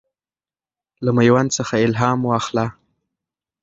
له میوند څخه الهام واخله.